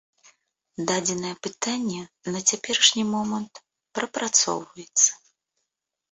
Дадзенае пытанне на цяперашні момант прапрацоўваецца.